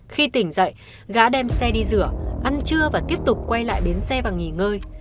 khi tỉnh dậy gã đem xe đi rửa ăn trưa và tiếp tục quay lại bến xe và nghỉ ngơi